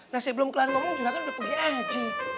saya belum kelar ngomong jujurah kan udah pergi aja